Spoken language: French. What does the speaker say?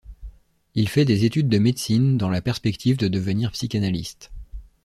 Il fait des études de médecine, dans la perspective de devenir psychanalyste.